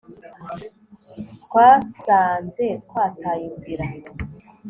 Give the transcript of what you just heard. Twasanze twataye inzira